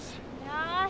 よし。